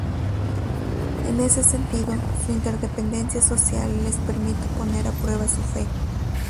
En ese sentido, su interdependencia social les permite poner a prueba su fe.